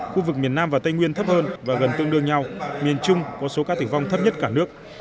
khu vực miền nam và tây nguyên thấp hơn và gần tương đương nhau miền trung có số ca tử vong thấp nhất cả nước